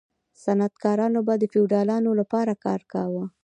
صنعتکارانو به د فیوډالانو لپاره کار کاوه.